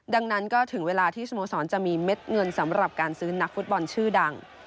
ดังนั้นก็ถึงเวลาที่สโมสรจะมีเม็ดเงินสำหรับการซื้อนักฟุตบอลชื่อดัง